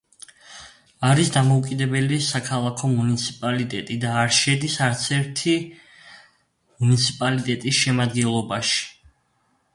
არის დამოუკიდებელი საქალაქო მუნიციპალიტეტი და არ შედის არც ერთი მუნიციპალიტეტის შემადგენლობაში.